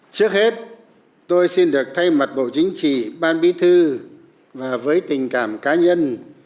trước hết tôi xin được thay mặt bộ chính trị ban bí thư và với tình cảm cá nhân